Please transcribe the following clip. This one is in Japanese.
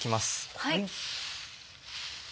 はい。